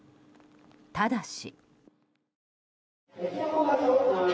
ただし。